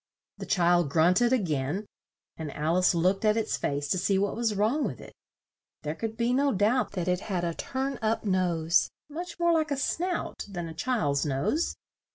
The child grunt ed a gain and Al ice looked at its face to see what was wrong with it. There could be no doubt that it had a turn up nose, much more like a snout than a child's nose.